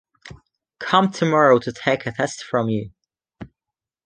Come tomorrow to take a test from you